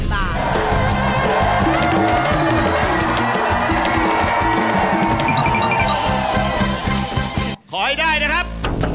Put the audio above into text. ขอให้ได้นะครับ